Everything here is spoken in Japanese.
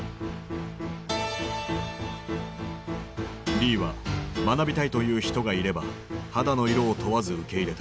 リーは学びたいという人がいれば肌の色を問わず受け入れた。